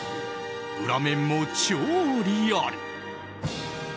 裏面も超リアル！